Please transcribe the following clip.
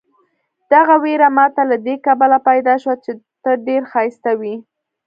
دغه وېره ماته له دې کبله پیدا شوه چې ته ډېر ښایسته وې.